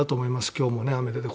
今日も雨で。